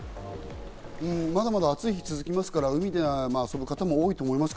まだまだ暑い日が続きますから、海で遊ぶ方も多いと思います。